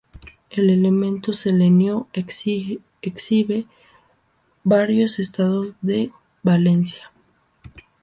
El elemento selenio exhibe varios estados de valencia.